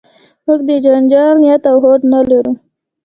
موږ د جنجال نیت او هوډ نه لرو.